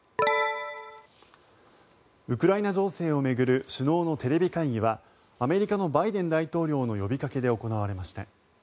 ウクライナ情勢を巡る首脳のテレビ会議はアメリカのバイデン大統領の呼びかけで行われました。